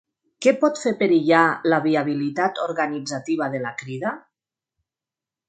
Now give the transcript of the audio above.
Què pot fer perillar la viabilitat organitzativa de la Crida?